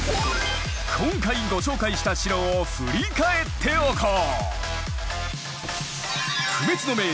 今回ご紹介した城を振り返っておこう。